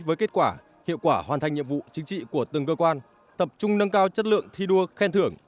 với kết quả hiệu quả hoàn thành nhiệm vụ chính trị của từng cơ quan tập trung nâng cao chất lượng thi đua khen thưởng